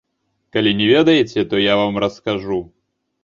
Калі не ведаеце, то я вам раскажу.